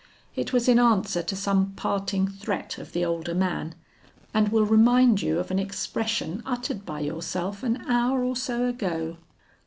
It was in answer to some parting threat of the older man, and will remind you of an expression uttered by yourself an hour or so ago.